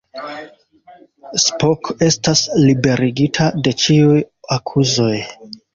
Spock estas liberigita de ĉiuj akuzoj.